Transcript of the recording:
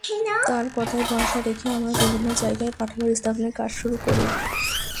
তাঁর কথায় ভরসা রেখে আমরা বিভিন্ন জায়গায় পাঠাগার স্থাপনের কাজ শুরু করি।